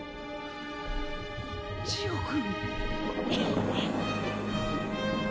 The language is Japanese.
ジオ君。